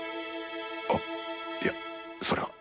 あっいやそれは。